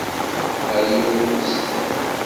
Ddan ɣer yiwen n ugezzan.